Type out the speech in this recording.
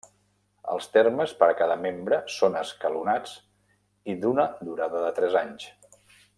Els termes per a cada membre són escalonats i d'una durada de tres anys.